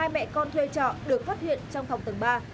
hai mẹ con thuê trọ được phát hiện trong phòng tầng ba